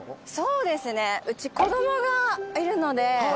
うち子供がいるので。